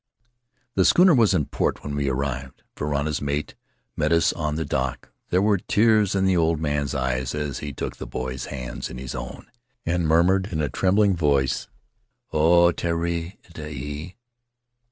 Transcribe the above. "The schooner was in port when we arrived. Va rana's mate met us on the dock; there were tears in the old man's eyes as he took the boy's hands in his own and murmured in a trembling voice, '0 Terii iti e.